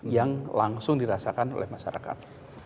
yang langsung dirasakan oleh masyarakat